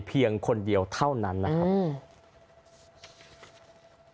เพียงคนเดียวเท่านั้นนะครับอืม